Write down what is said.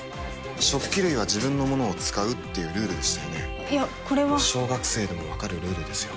食器類は自分の物を使うっていうルールでしたよねいやこれは小学生でも分かるルールですよ